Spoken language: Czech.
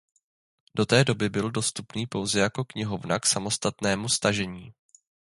Do té doby byl dostupný pouze jako knihovna k samostatnému stažení.